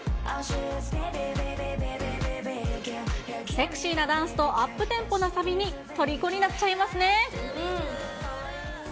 セクシーなダンスとアップテンポなサビにとりこになっちゃいますね。